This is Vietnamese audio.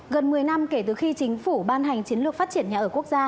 gần một mươi năm kể từ khi chính phủ ban hành chiến lược phát triển nhà ở quốc gia